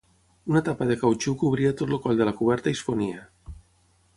Una tapa de cautxú cobria tot el coll de la coberta i es fonia.